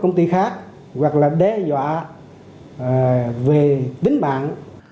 công ty khác hoặc là đe dọa về tính mạng